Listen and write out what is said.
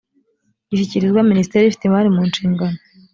gishyikirizwa minisiteri ifite imari mu nshingano